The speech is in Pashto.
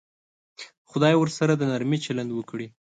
خدای ورسره د نرمي چلند وکړي.